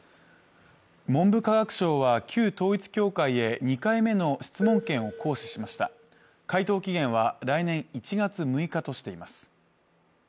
文部科学省は旧統一教会へ２回目の質問権を行使しました回答期限は来年１月６日としています